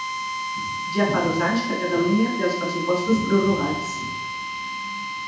Ja fa dos anys que Catalunya té els pressupostos prorrogats